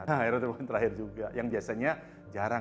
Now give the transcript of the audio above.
nah error terakhir juga yang biasanya